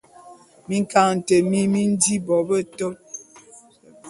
Minkaňete mi mi nji bo betot.